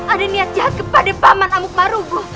ada niat jahat kepada paman uamuk marugou